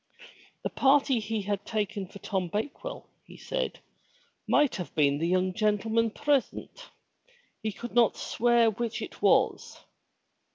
The party he had taken for Tom Bakewell, he said, might have been the young gentleman present. He could not swear which it was.